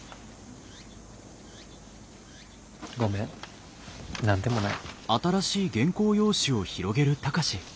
ごめん何でもない。